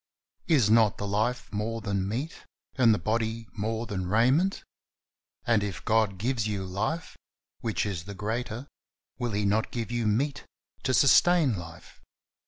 "Is not the life more than meat and the body more than raiment?" And if God gives you life, which is the greater, will He not give you meat to sustain life?